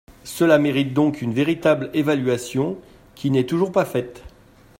Cela mérite donc une véritable évaluation, qui n’est toujours pas faite.